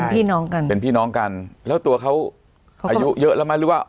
พี่น้องกันเป็นพี่น้องกันแล้วตัวเขาอายุเยอะแล้วไหมหรือว่า